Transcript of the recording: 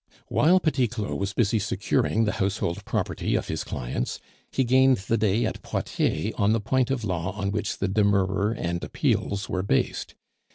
While Petit Claud was busy securing the household property of his clients, he gained the day at Poitiers on the point of law on which the demurrer and appeals were based.